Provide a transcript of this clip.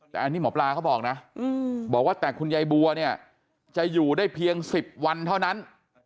แต่อันนี้หมอปลาเขาบอกนะบอกว่าแต่คุณยายบัวเนี่ยจะอยู่ได้เพียง๑๐วันเท่านั้น